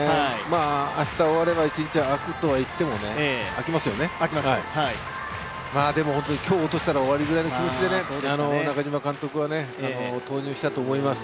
明日終われば１日空くとはいっても、でも、今日を落としたら終わりぐらいの気持ちで中嶋監督は投入したと思います。